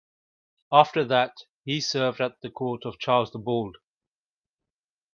After that, he served at the court of Charles the Bald.